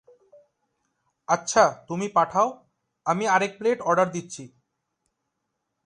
আচ্ছা তুমি পাঠাও, আমি আরেক প্লেট অর্ডার দিচ্ছি।